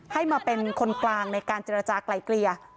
ให้มาเป็นคนกลางในการเจรจากลายเกลี่ย